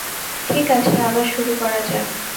ঠিক আছে, আবার শুরু করা যাক।